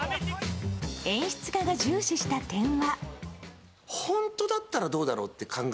演出家が重視した点は。